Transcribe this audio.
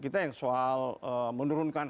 kita yang soal menurunkan